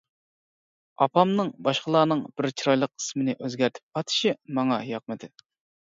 ئاپامنىڭ باشقىلارنىڭ بىر چىرايلىق ئىسمىنى ئۆزگەرتىپ ئاتىشى ماڭا ياقمىدى.